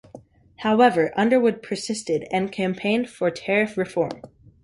However, Underwood persisted, and campaigned for tariff reform.